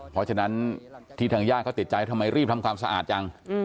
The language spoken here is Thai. เพราะฉะนั้นที่ทางญาติเขาติดใจทำไมรีบทำความสะอาดจัง